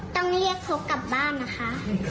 ต้องเรียกพกกลับบ้านนะคะ